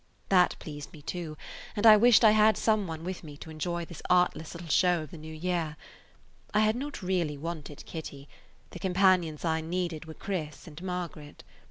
That pleased me, too, and I wished I had some one with me to enjoy this artless little show of the new year. I had not [Page 124] really wanted Kitty; the companions I needed were Chris and Margaret.